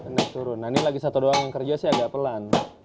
naik turun nah ini lagi satu doang yang kerja sih agak pelan